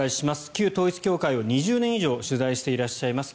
旧統一教会を２０年以上取材していらっしゃいます